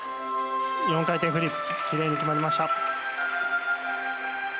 きれいに決まりました。